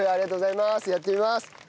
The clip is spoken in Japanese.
やってみます。